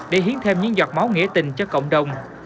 để hiến thêm những giọt máu nghĩa tình cho cộng đồng